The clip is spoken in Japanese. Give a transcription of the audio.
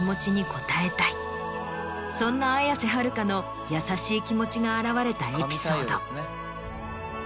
そんな綾瀬はるかの優しい気持ちが表れたエピソード。